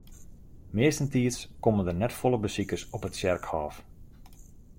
Meastentiids komme der net folle besikers op it tsjerkhôf.